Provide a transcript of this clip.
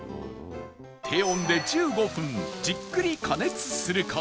低温で１５分じっくり加熱する事